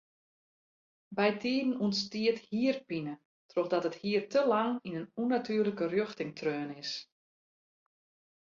Bytiden ûntstiet hierpine trochdat it hier te lang yn in ûnnatuerlike rjochting treaun is.